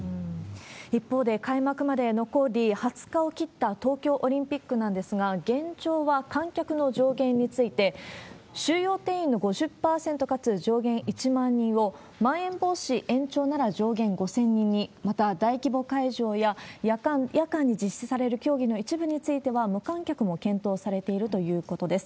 一方で、開幕まで残り２０日を切った東京オリンピックなんですが、現状は観客の上限について、収容定員の５０％かつ、上限１万人をまん延防止延長なら上限５０００人に、また大規模会場や、夜間に実施される競技の一部については、無観客も検討されているということです。